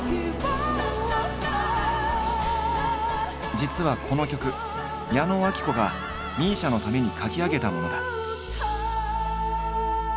実はこの曲矢野顕子がＭＩＳＩＡのために書き上げたものだ。